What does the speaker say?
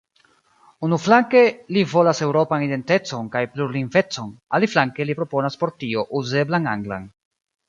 Unuflanke, li volas eŭropan identecon kaj plurlingvecon, aliflanke li proponas por tio "uzeblan anglan".